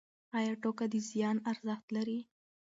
ایا ټوکه د زیان ارزښت لري؟